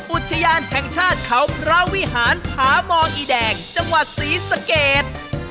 อุทยานแห่งชาติเขาพระวิหารผามองอีแดงจังหวัดศรีสะเกด